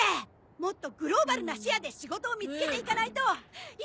もっとグローバルな視野で仕事を見つけていかないと。